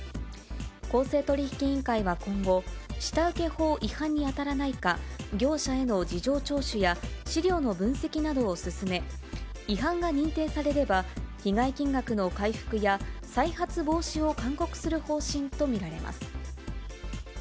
公正取引委員会は今後、下請け法違反に当たらないか、業者への事情聴取や資料の分析などを進め、違反が認定されれば、被害金額の回復や再発防止を勧告する方針と見られます。